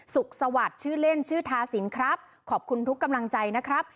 สวัสดิ์ชื่อเล่นชื่อทาสินครับขอบคุณทุกกำลังใจนะครับ